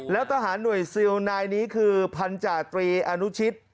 แล้วทหารหน่วยซิลนายนี้คือพันธาตรีอนุชิต